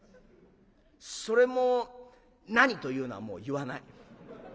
それも何というのはもう言わない。